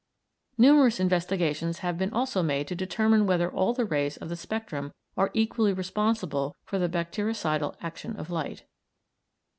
Numerous investigations have been also made to determine whether all the rays of the spectrum are equally responsible for the bactericidal action of light.